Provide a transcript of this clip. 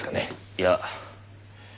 いや。